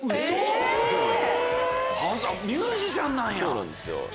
そうなんですよ。